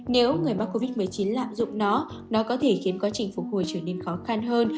nếu người mắc covid một mươi chín lạm dụng nó có thể khiến quá trình phục hồi trở nên khó khăn hơn